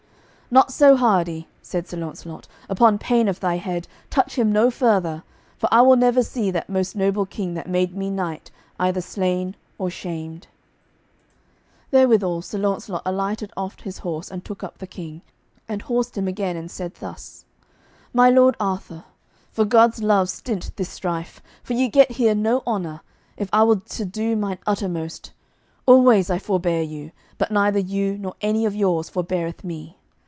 "Not so hardy," said Sir Launcelot, "upon pain of thy head, touch him no further, for I will never see that most noble king, that made me knight, either slain or shamed." Therewithal Sir Launcelot alighted oft his horse and took up the King, and horsed him again, and said thus: "My lord Arthur, for God's love stint this strife, for ye get here no honour, if I will to do mine uttermost; always I forbear you, but neither you nor any of yours forbeareth me.